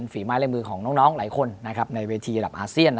ฝีม้ายเล่มือของน้องหลายคนในเวทีอาเซียน